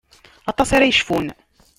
Aṭas ara yecfun.